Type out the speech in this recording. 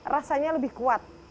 rasanya lebih kuat